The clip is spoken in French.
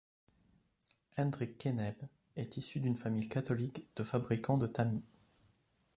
Hendrik Quesnel est issu d'une famille catholique de fabricants de tamis.